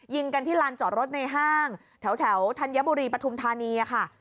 ยิงกันที่ลานจอดรถในห้างแถวธัญบุรีปฐุมธานีค่ะ